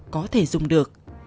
có thể dùng được